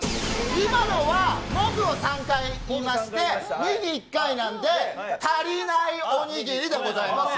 今のは「もぐ」を３回言いまして「にぎ」１回なので、「足りないおにぎり」です。